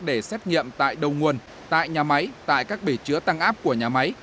để xét nghiệm tại đầu nguồn tại nhà máy tại các bể chứa tăng áp của nhà máy